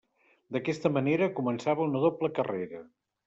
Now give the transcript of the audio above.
D'aquesta manera, començava una doble carrera.